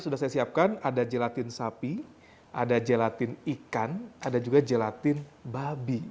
sudah saya siapkan ada gelatin sapi ada gelatin ikan ada juga gelatin babi